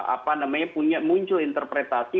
apa namanya punya muncul interpretasi